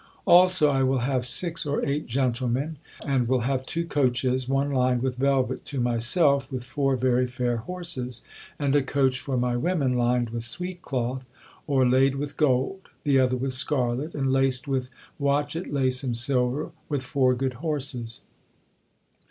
Also, I will have six or eight gentlemen, and will have two coaches; one lined with velvet to myself, with four very fair horses; and a coach for my women lined with sweet cloth, orelaid with gold; the other with scarlet, and laced with watchet lace and silver, with four good horses.